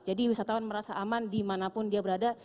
jadi wisatawan merasa aman dimanapun dia berada